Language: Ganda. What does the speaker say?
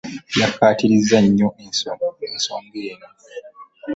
Yakkaatirizza nnyo ensonga eno.